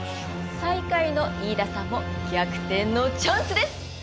最下位の飯田さんも逆転のチャンスです！